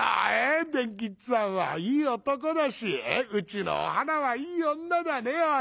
伝吉っつぁんはいい男だしうちのお花はいい女だねおい。